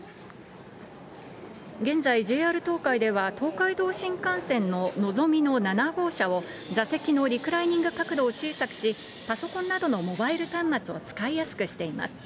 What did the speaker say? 現在、ＪＲ東海では東海道新幹線ののぞみの７号車を、座席のリクライニング角度を小さくし、パソコンなどのモバイル端末を使いやすくしています。